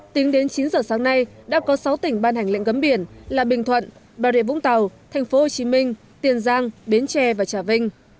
tính đến chín giờ sáng nay đã có sáu tỉnh ban hành lệnh gấm biển là bình thuận bà rịa vũng tàu thành phố hồ chí minh tiền giang bến tre và trà vinh